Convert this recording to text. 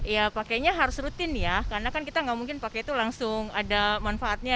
ya pakainya harus rutin ya karena kan kita nggak mungkin pakai itu langsung ada manfaatnya